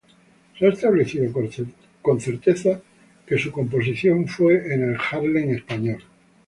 Se ha establecido con certeza que su composición fue en el Harlem Español.